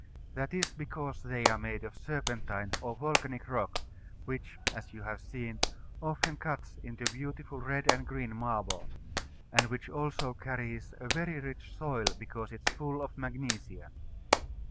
That is because they are made of serpentine or volcanic rock, which (as you have seen) often cuts into beautiful red and green marble; and which also carries a very rich soil because it is full of magnesia.